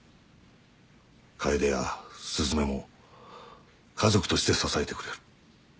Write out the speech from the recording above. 楓や雀も家族として支えてくれる。